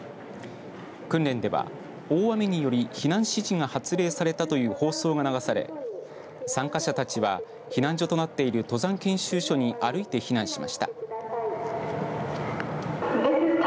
訓練では大雨により避難指示が発令されたという放送が流され参加者たちは避難所となっている登山研修所に歩いて避難しました。